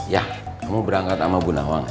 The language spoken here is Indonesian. ya kamu berangkat sama bu nawang